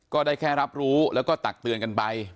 ก็ได้แค่รับรู้แล้วก็ตักเตือนกันไป